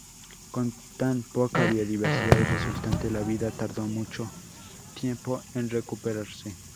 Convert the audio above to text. Con tan poca biodiversidad resultante, la vida tardó mucho tiempo en recuperarse.